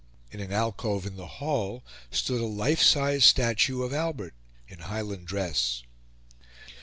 In an alcove in the hall, stood a life sized statue of Albert in Highland dress.